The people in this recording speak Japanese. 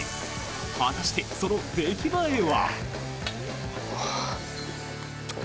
果たして、その出来栄えは？